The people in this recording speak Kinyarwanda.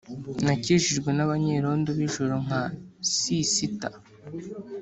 Nakijijwe nabanyerondo bijoro nkasisita